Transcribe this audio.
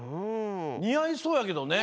にあいそうやけどね。